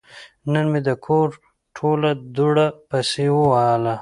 نن مې د کور ټوله دوړه پسې ووهله.